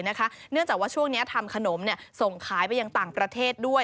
เนื่องจากว่าช่วงนี้ทำขนมส่งขายไปยังต่างประเทศด้วย